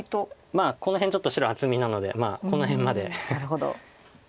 まあこの辺ちょっと白厚みなのでこの辺まで。なるほど。